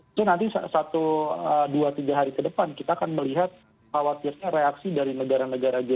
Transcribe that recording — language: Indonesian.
itu nanti satu dua tiga hari ke depan kita akan melihat khawatirnya reaksi dari negara negara g dua puluh